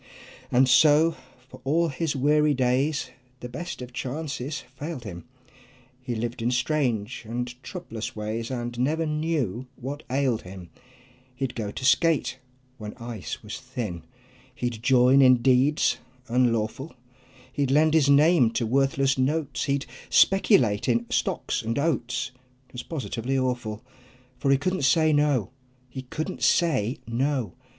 And so for all his weary days The best of chances failed him; He lived in strange and troublous ways And never knew what ailed him; He'd go to skate when ice was thin; He'd join in deeds unlawful, He'd lend his name to worthless notes, He'd speculate in stocks and oats; 'Twas positively awful, For he couldn't say "No!" He couldn't say "No!"